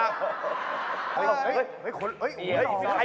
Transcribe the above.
เฮ้ย